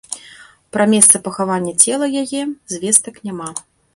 Пра месца пахавання цела яе звестак няма.